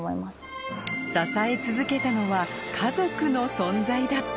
支え続けたのは家族の存在だった